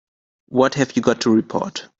What have you got to report?